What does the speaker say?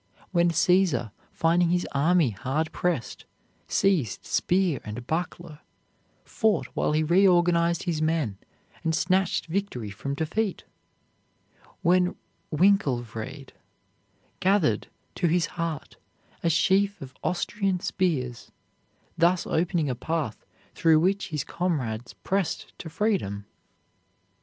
when Caesar, finding his army hard pressed, seized spear and buckler, fought while he reorganized his men, and snatched victory from defeat? when Winkelried gathered to his heart a sheaf of Austrian spears, thus opening a path through which his comrades pressed to freedom?